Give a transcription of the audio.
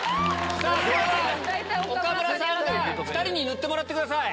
これは岡村さんが２人に塗ってもらってください。